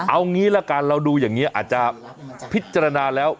เอางี้ละกันเราดูอย่างนี้อาจจะพิจารณาแล้ว